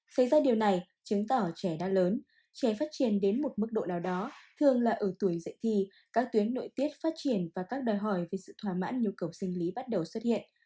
xây ra điều này chứng tỏ trẻ đã lớn trẻ phát triển đến một mức độ nào đó thường là ở tuổi dạy thì các tuyến nội tiết phát triển và các đòi hỏi về sự thỏa mãn nhu cầu sinh lý bắt đầu xuất hiện